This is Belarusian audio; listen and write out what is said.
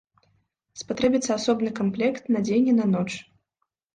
Спатрэбіцца асобны камплект на дзень і на ноч.